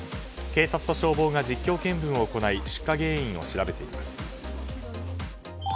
警察と消防が実況見分を行い出火原因を調べています。